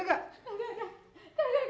gak gak gak